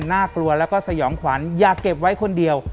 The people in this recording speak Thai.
น่ากลัวแล้วก็สยองขวัญอย่าเก็บไว้คนเดียว